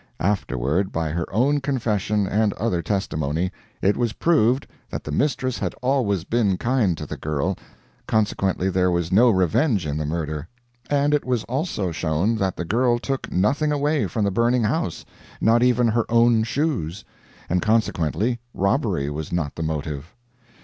Afterward, by her own confession and other testimony, it was proved that the mistress had always been kind to the girl, consequently there was no revenge in the murder; and it was also shown that the girl took nothing away from the burning house, not even her own shoes, and consequently robbery was not the motive.